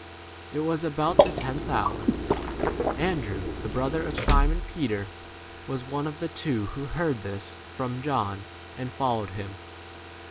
z It was about the 40 tenth hour. Andrew, the brother of Simon Peter, was one of the two who heard [this] from John 41 and followed him.